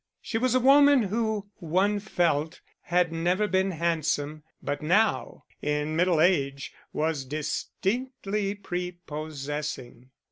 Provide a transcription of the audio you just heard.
She was a woman who, one felt, had never been handsome, but now, in middle age, was distinctly prepossessing.